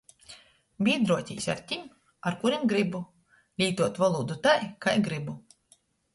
Bīdruotīs ar tim, ar kurim grybu. Lītuot volūdu tai, kai grybu.